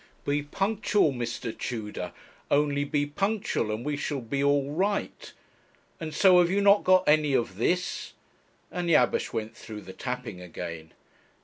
'Be punctual, Mr. Tudor, only be punctual, and we shall be all right and so you have not got any of this?' and Jabesh went through the tapping again.